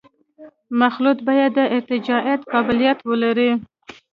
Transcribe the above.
مخلوط باید د ارتجاعیت قابلیت ولري